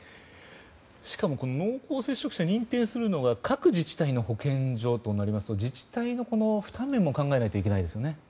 しかも濃厚接触者を認定するのが各自治体の保健所となりますと自治体の負担量も考えないといけないですね。